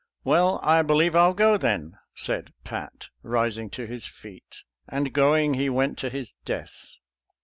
" Well, I believe I'll go then," said Pat, rising to his feet; and, going, he went to his death.